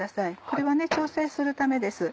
これは調整するためです。